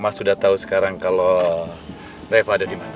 mas sudah tau sekarang kalo reva ada dimana